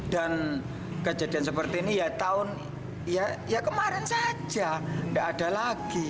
dan kejadian seperti ini ya tahun kemarin saja tidak ada lagi